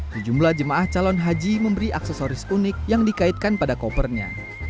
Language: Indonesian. sejumlah jemaah calon haji memberi aksesoris unik yang dikaitkan pada kopernya